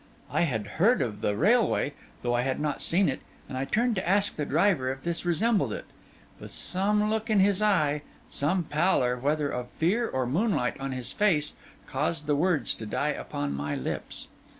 I had heard of the railway, though I had not seen it, and I turned to ask the driver if this resembled it. But some look in his eye, some pallor, whether of fear or moonlight on his face, caused the words to die upon my lips.